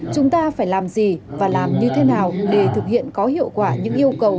chúng ta phải làm gì và làm như thế nào để thực hiện có hiệu quả những yêu cầu